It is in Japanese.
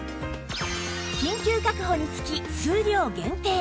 緊急確保につき数量限定！